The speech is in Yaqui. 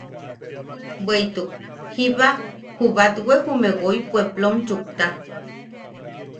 Bweʼituk jiba ju batwe jume woi puepplom chukta.